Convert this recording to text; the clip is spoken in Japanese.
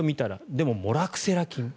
でも、モラクセラ菌。